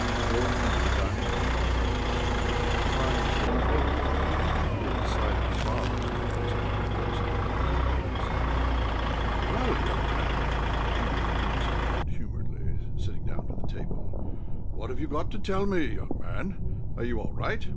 Going into the dining room to breakfast, he finds there Fedya, who, at the sight of his father, gets up and looks at him helplessly. "Well, young man?" Zhilin greets him good humouredly, sitting down to the table. "What have you got to tell me, young man? Are you all right?